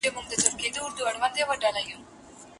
زه له خپل زړه نه هم پردی شوم بيا راونه خاندې